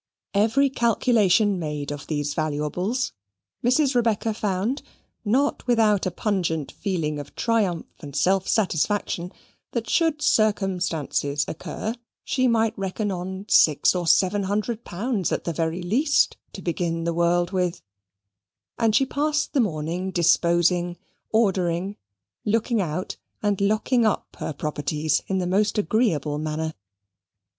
Every calculation made of these valuables Mrs. Rebecca found, not without a pungent feeling of triumph and self satisfaction, that should circumstances occur, she might reckon on six or seven hundred pounds at the very least, to begin the world with; and she passed the morning disposing, ordering, looking out, and locking up her properties in the most agreeable manner.